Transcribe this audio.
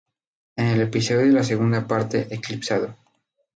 En el episodio de la segunda parte "Eclipsado".